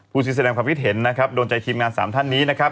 ที่แสดงความคิดเห็นนะครับโดนใจทีมงาน๓ท่านนี้นะครับ